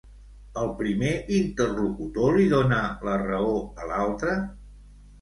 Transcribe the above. El primer interlocutor li dona la raó a l'altre?